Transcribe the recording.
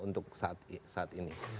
untuk saat ini